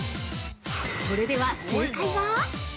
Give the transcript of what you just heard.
◆それでは、正解は！？